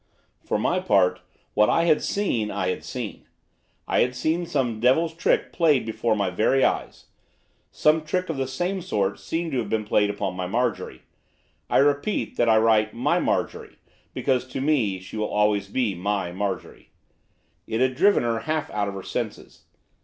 For my part, what I had seen I had seen. I had seen some devil's trick played before my very eyes. Some trick of the same sort seemed to have been played upon my Marjorie, I repeat that I write 'my Marjorie' because, to me, she will always be 'my' Marjorie! It had driven her half out of her senses.